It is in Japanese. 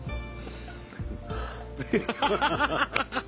ハハハハ！